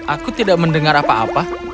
aku tidak mendengar apa apa